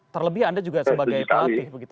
terlebih anda juga sebagai pelatih begitu